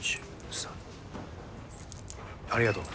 ありがとう。